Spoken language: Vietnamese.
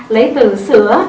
lấy từ sữa